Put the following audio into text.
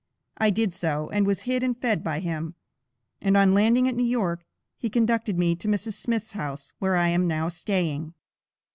I did so, and was hid and fed by him, and on landing at New York, he conducted me to Mrs. Smith's house, where I am now staying."